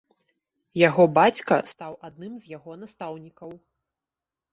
Яго бацька стаў адным з яго настаўнікаў.